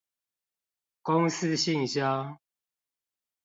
公司信箱